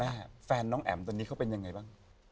แฟนน้องแอ๋มตอนนี้เขาเป็นยังไงบ้าง